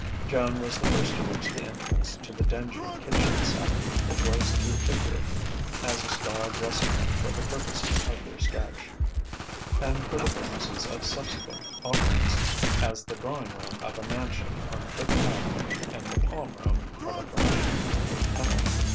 Joan was the first to reach the entrance to the dingy "kitchen set" which was to figure as a star dressing room for the purposes of their sketch (and, for the purposes of subsequent offerings, as the drawing room of a mansion on Fifth Avenue and the palm room of a fashionable hotel).